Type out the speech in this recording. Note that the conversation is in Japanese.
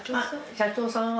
社長さんは。